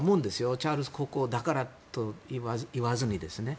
チャールズ国王だからといわずにね。